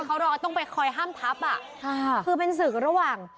เขารอว่าต้องไปฮ่ายห้ามทัพคือเป็นศึกระหว่าง